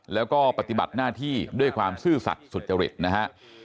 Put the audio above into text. แล้วก็ปฏิบัติหน้าที่ด้วยความซื่อสัตว์สุจริตนะฮะ